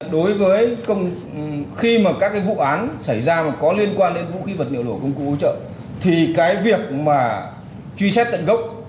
đối với khi mà các vụ án xảy ra có liên quan đến vũ khí vật liệu đổ công cụ ưu trợ thì cái việc mà truy xét tận gốc